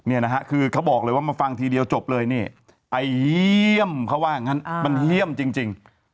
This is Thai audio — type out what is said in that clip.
เนี่ยนะฮะคือเขาบอกเลยว่ามาฟังทีเดียวจบเลยนี่ไอเยี่ยมเขาว่างั้นมันเยี่ยมจริง